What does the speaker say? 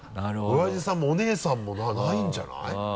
おやじさんもお姉さんもないんじゃない？